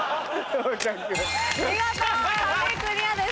見事壁クリアです。